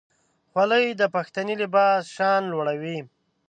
خولۍ د پښتني لباس شان لوړوي.